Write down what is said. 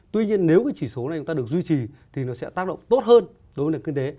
tuy nhiên nếu cái chỉ số này chúng ta được duy trì thì nó sẽ tác động tốt hơn đối với nền kinh tế